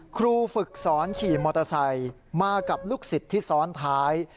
ครูฝึกสอนขี่มอเตอร์ไซค์มากับลูกศิษย์ที่ซ้อนท้าย